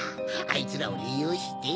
あいつらをりようして。